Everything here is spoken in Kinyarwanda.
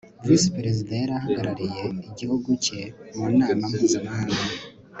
visi perezida yari ahagarariye igihugu cye mu nama mpuzamahanga